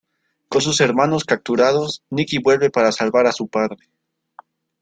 Con sus hermanos capturados, Nicky vuelve para salvar a su padre.